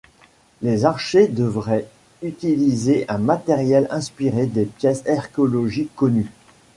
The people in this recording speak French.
Les archers devraient utiliser un matériel inspiré des pièces archéologiques connues.